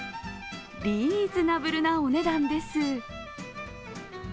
リーズナブルなお値段です。